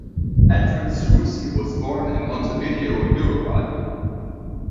Edwin Seroussi was born in Montevideo, Uruguay.